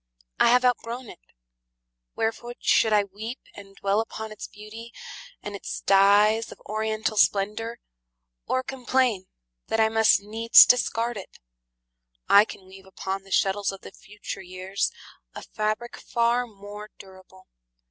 I have outgrown it. Wherefore should I weep And dwell upon its beauty, and its dyes Of oriental splendor, or complain That I must needs discard it? I can weave Upon the shuttles of the future years A fabric far more durable.